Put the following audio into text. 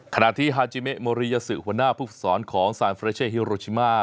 ขณะที่ฮาจิเมะโมริยาสุหัวหน้าภูมิสอนของซานเฟรเช่ฮิโรชิมา